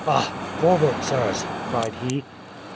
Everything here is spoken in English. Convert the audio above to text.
"Ah! forward, sirs!" cried he.